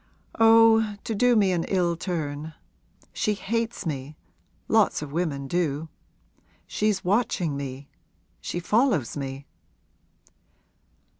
'Oh, to do me an ill turn. She hates me lots of women do. She's watching me she follows me.'